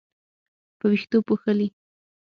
په وېښتو پوښلې